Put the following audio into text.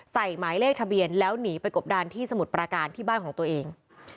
หมายเลขทะเบียนแล้วหนีไปกบดานที่สมุทรประการที่บ้านของตัวเอง